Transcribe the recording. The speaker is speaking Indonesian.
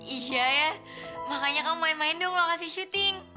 isya ya makanya kamu main main dong lokasi syuting